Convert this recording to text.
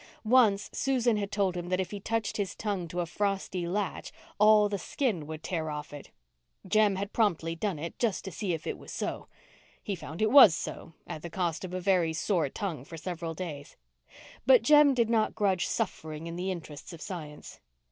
Once Susan had told him that if he touched his tongue to a frosty latch all the skin would tear off it. Jem had promptly done it, "just to see if it was so." He found it was "so," at the cost of a very sore tongue for several days. But Jem did not grudge suffering in the interests of science.